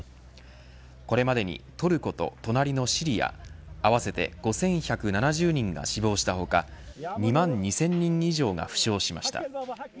これまでにトルコと隣のシリア合わせて５１７０人が死亡した他２万２０００人以上が負傷しました。